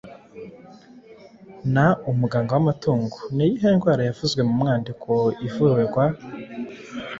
na umuganga w’amatungo. Ni iyihe ndwara yavuzwe mu mwandiko ivurwa